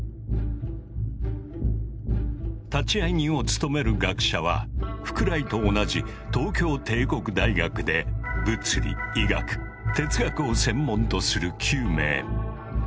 立会人を務める学者は福来と同じ東京帝国大学で物理医学哲学を専門とする９名。